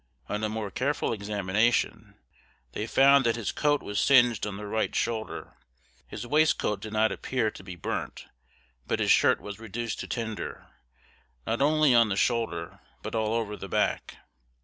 On a more careful examination, they found that his coat was singed on the right shoulder; his waistcoat did not appear to be burnt; but his shirt was reduced to tinder, not only on the shoulder, but all over the back.